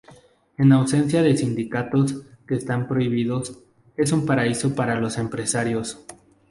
En ausencia de sindicatos, que están prohibidos, es un paraíso para los empresarios.